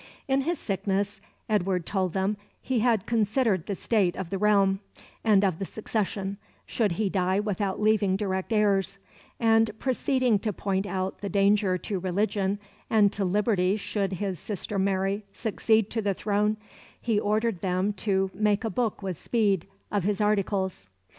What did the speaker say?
In his sickness, Edward told them, he had considered the state of the realm, and of the succession, should he die without leaving direct heirs; and, proceeding to point out the danger to religion and to liberty should his sister Mary succeed to the throne, he ordered them to "make a book with speed" of his articles.